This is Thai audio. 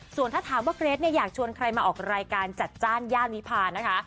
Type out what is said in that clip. ส่วนถ้าถามว่าเกรทเนี่ยอยากชวนใครมาออกรายการจัดจ้านย่านวิพานะคะ